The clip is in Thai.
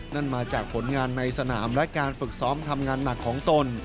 นั่นมาจากผลงานในสนามและการฝึกซ้อมทำงานหนักของตน